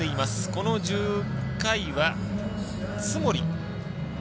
この１０回は津森。